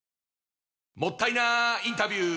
もったいなインタビュー！